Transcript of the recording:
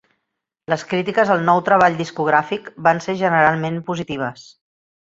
Les crítiques al nou treball discogràfic van ser generalment positives.